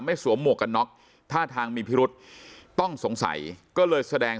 สวมหมวกกันน็อกท่าทางมีพิรุษต้องสงสัยก็เลยแสดง